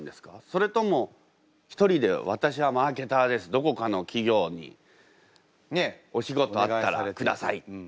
それとも１人で「私はマーケターです」。どこかの企業にね「お仕事あったら下さい」って。